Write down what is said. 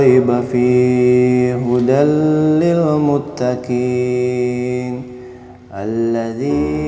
ini pasti ada hubungannya sama al